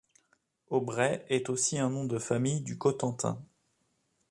Aubrey est aussi un nom de famille du Cotentin.